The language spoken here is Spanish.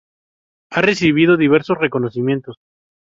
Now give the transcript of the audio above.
Ha recibido diversos reconocimientos.